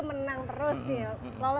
menang terus lulus ke senayan